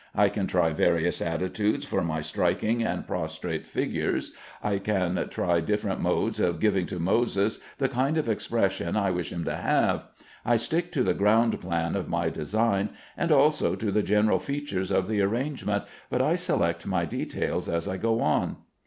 I can try various attitudes for my striking and prostrate figures. I can try different modes of giving to Moses the kind of expression I wish him to have. I stick to the ground plan of my design, and also to the general features of the arrangement, but I select my details as I go on.